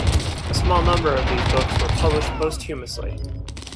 A small number of these books were published posthumously.